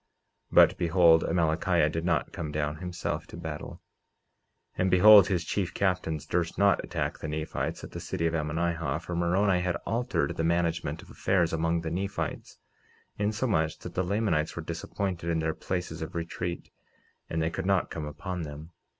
49:11 But behold, Amalickiah did not come down himself to battle. And behold, his chief captains durst not attack the Nephites at the city of Ammonihah, for Moroni had altered the management of affairs among the Nephites, insomuch that the Lamanites were disappointed in their places of retreat and they could not come upon them.